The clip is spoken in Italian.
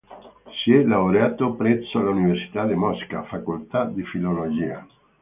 Si è laureato presso l'Università di Mosca, facoltà di filologia.